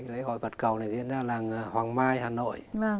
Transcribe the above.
lễ hội vật cầu này diễn ra làng hoàng mai hà nội